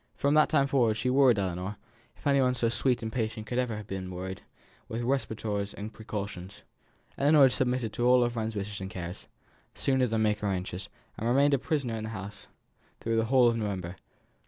From that time forwards she worried Ellinor (if any one so sweet and patient could ever have been worried) with respirators and precautions. Ellinor submitted to all her friend's wishes and cares, sooner than make her anxious, and remained a prisoner in the house through the whole of November.